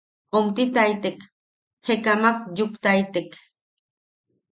Omtitaitek, jekamak yuktaitek.